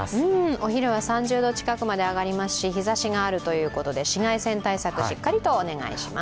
お昼は３０度近くまで上がりますし、日ざしがあるということで紫外線対策しっかりとお願いします。